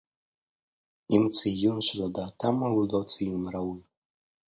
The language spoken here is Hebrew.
אם ציון שלדעתם הוא לא ציון ראוי